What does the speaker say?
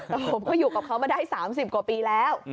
แต่ผมก็อยู่กับเขามาได้๓๐กว่าปีแล้ว